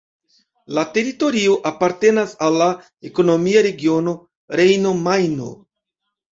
La teritorio apartenas al la ekonomia regiono Rejno-Majno.